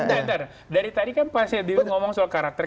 dari tadi kan pak sedyu ngomong soal karakter